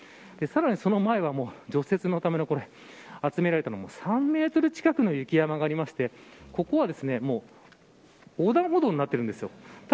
さらに、その前は除雪のために、集められた３メートル近くの雪山がありましてここは横断歩道になっているんです。